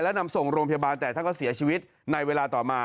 และนำส่งโรงพยาบาลแต่ท่านก็เสียชีวิตในเวลาต่อมา